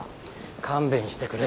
勘弁してくれ。